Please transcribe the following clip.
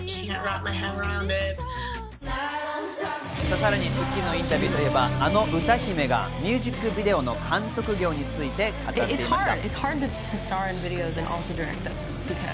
さらに『スッキリ』のインタビューといえば、あの歌姫がミュージックビデオの監督業について語っていました。